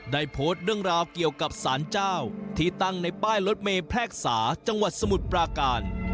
ได้โพสต์เรื่องราวเกี่ยวกับสารเจ้าที่ตั้งในป้ายรถเมย์แพรกษาจังหวัดสมุทรปราการ